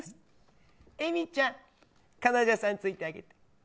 エミちゃん彼女さんについてあげて。